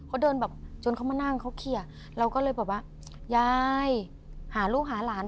เขาเดินแบบจนเขามานั่งเขาเคลียร์เราก็เลยแบบว่ายายหาลูกหาหลาน